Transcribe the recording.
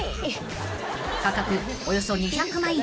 ［価格およそ２００万円］